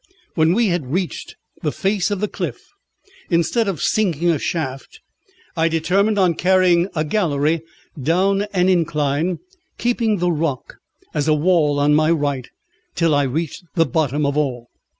When we had reached the face of the cliff, instead of sinking a shaft I determined on carrying a gallery down an incline, keeping the rock as a wall on my right, till I reached the bottom of all.